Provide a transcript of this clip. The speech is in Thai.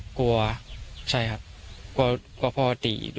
อเจมส์กลัวใช่ครับกลัวพ่อตีดู